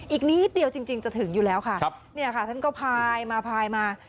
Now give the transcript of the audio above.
อีกนิดเดียวจริงจะถึงอยู่แล้วค่ะเนี่ยค่ะท่านก็พายมาพายมา